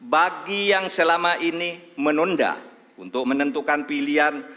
bagi yang selama ini menunda untuk menentukan pilihan